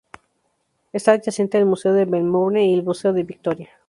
Está adyacente al Museo de Melbourne y el Museo de Victoria.